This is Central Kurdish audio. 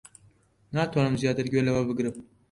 ناتوانم زیاتر گوێ لەمە بگرم.